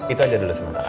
itu aja dulu sementara